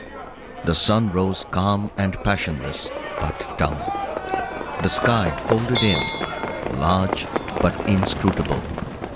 The sun rose calm and passionless, but dumb. The sky folded in, large but inscrutable.